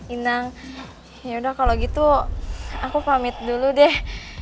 inang yaudah kalau gitu aku pamit dulu deh